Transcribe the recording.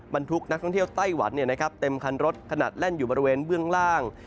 บรรทุกนักท่องเที่ยวไต้หวันเต็มคันรถขนาดแล่นอยู่บริเวณเบื้องล่าง